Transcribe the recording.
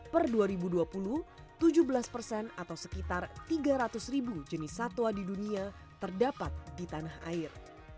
per dua ribu dua puluh tujuh belas persen atau sekitar tiga ratus ribu jenis satwa di dunia terdapat di tanah air